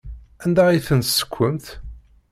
Anda ay ten-tessekwemt?